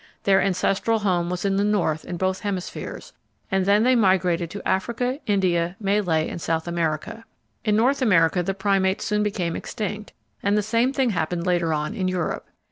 Their ancestral home was in the north in both hemispheres, and then they migrated to Africa, India, Malay, and South America. In North America the Primates soon became extinct, and the same thing happened later on in Europe.